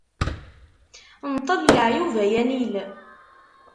Nṭel leɛyub, ay anil.